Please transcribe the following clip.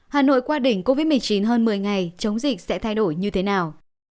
hà nội qua đỉnh covid một mươi chín hơn một mươi ngày chống dịch sẽ thay đổi như thế nào